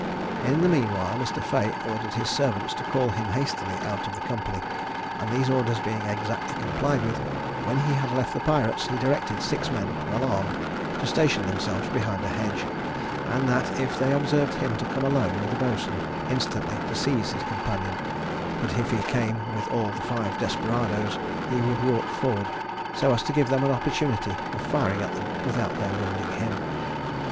In the mean while, Mr. Fea ordered his servants to call him hastily out of the company; and these orders being exactly complied with, when he had left the pirates, he directed six men, well armed, to station themselves behind a hedge; and that if they observed him to come alone with the boatswain, instantly to seize his companion; but if he came with all the five desperadoes, he would walk forward, so as to give them an opportunity of firing at them without their wounding him.